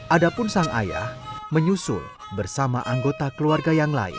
adapun sang ayah menyusul bersama anggota keluarga yang lain